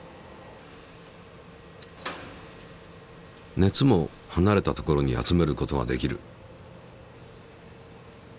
熱も離れた所に集めることが出来る。